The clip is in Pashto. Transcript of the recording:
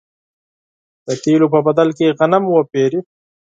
د تېلو په بدل کې غنم وپېري.